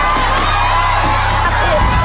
๓โป่ง